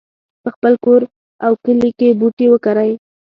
په خپل کور او کلي کې بوټي وکرئ